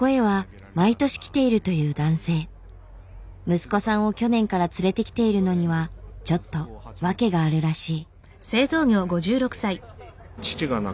息子さんを去年から連れてきているのにはちょっと訳があるらしい。